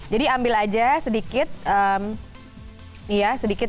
jadi ambil aja sedikit